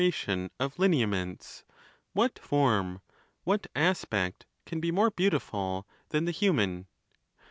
ition of lineaments, what form, what aspect, can be more henutiful than the human?